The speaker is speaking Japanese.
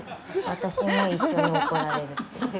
私も一緒に怒られる。